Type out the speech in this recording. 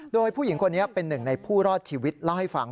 โดยผู้หญิงคนนี้เป็นหนึ่งในผู้รอดชีวิตเล่าให้ฟัง